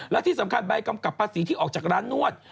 และที่สำคัญใบกำกับภาษีที่ออกจากร้านนวด